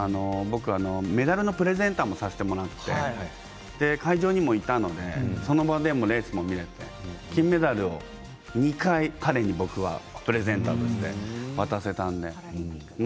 僕はメダルのプレゼンターをさせてもらって、会場にもいたのでその場でもレースも見ることができて金メダルを２回彼に僕がプレゼンターとして渡していたので。